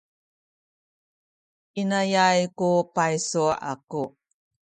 inayay ku paysu aku.